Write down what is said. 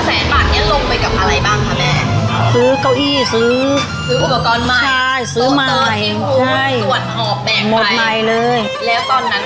ซื้อใหม่ใช่หมดใหม่เลยแล้วตอนนั้นน่ะร้านยังไม่ได้อยู่ตรงนี้ใช่ไหมแม่